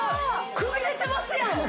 くびれてますやん！